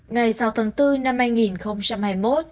ngày sáu tháng bốn năm hai nghìn hai mươi một